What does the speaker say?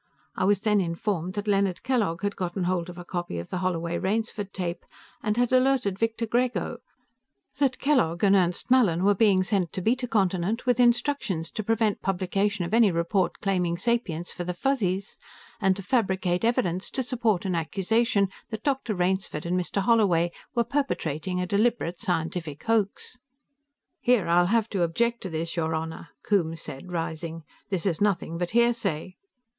I was then informed that Leonard Kellogg had gotten hold of a copy of the Holloway Rainsford tape and had alerted Victor Grego; that Kellogg and Ernst Mallin were being sent to Beta Continent with instructions to prevent publication of any report claiming sapience for the Fuzzies and to fabricate evidence to support an accusation that Dr. Rainsford and Mr. Holloway were perpetrating a deliberate scientific hoax." "Here, I'll have to object to this, your Honor," Coombes said, rising. "This is nothing but hearsay."